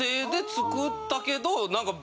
作ったけど。